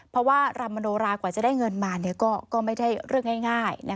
เพราะว่ารำมโนรากว่าจะได้เงินมาก็ไม่ได้เรื่องง่าย